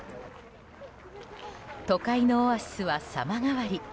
都会のオアシスは様変わり。